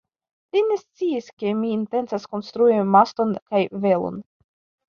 Li ne sciis, ke mi intencas konstrui maston kaj velon.